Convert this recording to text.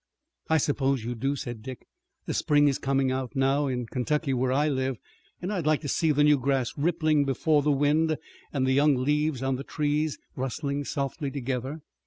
"I suppose you do," said Dick. "The spring is coming out now in Kentucky where I live, and I'd like to see the new grass rippling before the wind, and the young leaves on the trees rustling softly together."